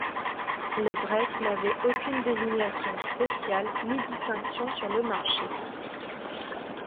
Le break n'avait aucune désignation spéciale ni distinction sur le marché.